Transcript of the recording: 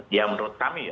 ya menurut kami ya